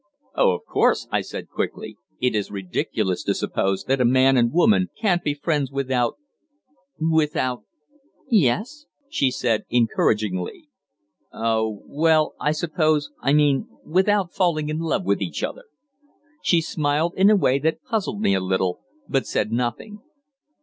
"Oh, of course," I said quickly. "It is ridiculous to suppose that a man and woman can't be friends without without " "Yes?" she said encouragingly. "Oh, well I suppose I mean without falling in love with each other." She smiled in a way that puzzled me a little, but said nothing.